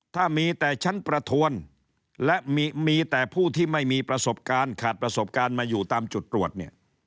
ถ้ามีแต่ชั้นประทวนและมีแต่ผู้ที่ไม่มีประสบการณ์ขาดประสบการณ์มาอยู่ตามจุดตรวจเนี่ย